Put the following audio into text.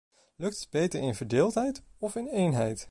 Lukt het beter in verdeeldheid of in eenheid?